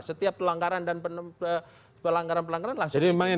setiap pelanggaran dan pelanggaran pelanggaran langsung tidak ada keputusan